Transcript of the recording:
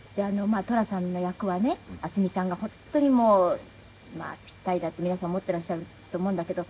寅さんの役はね渥美さんが本当にもうピッタリだと皆さん思っていらっしゃると思うんだけど。